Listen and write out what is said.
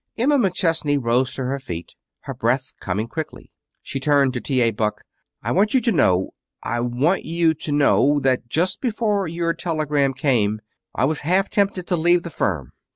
Emma McChesney rose to her feet, her breath coming quickly. She turned to T. A. Buck. "I want you to know I want you to know that just before your telegram came I was half tempted to leave the firm.